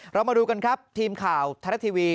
เรามาดูกันครับทีมข่าวไทยรัฐทีวี